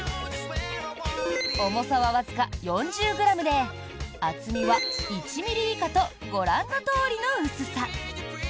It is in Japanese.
重さはわずか４０ｇで厚みは１ｍｍ以下とご覧のとおりの薄さ。